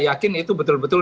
yakin itu betul betul